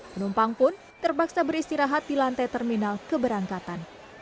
penumpang pun terpaksa beristirahat di lantai terminal keberangkatan